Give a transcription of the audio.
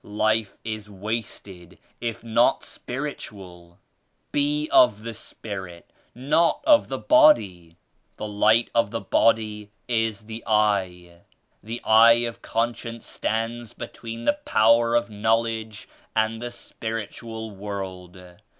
Life is wasted if not spiritual. Be of the Spirit, not of the body. The Light of the body is the eye. The eye of conscience stands between the power of knowledge and the spiritual world.